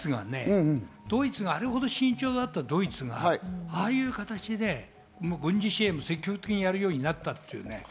ドイツが、あれほど慎重だったドイツがああいう形で軍事支援も積極的にやるようになったっていう。